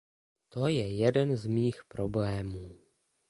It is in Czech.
To je jeden z mých problémů.